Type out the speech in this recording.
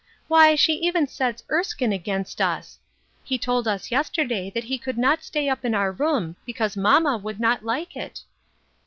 Why, she even sets Erskine against us! He told us yesterday that he could not stay up in our room because mamma would not like it."